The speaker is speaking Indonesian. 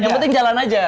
yang penting jalan aja